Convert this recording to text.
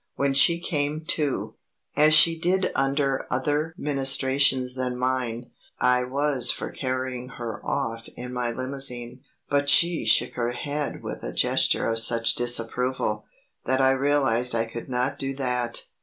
When she came to, as she did under other ministrations than mine, I was for carrying her off in my limousine. But she shook her head with a gesture of such disapproval, that I realized I could not do that.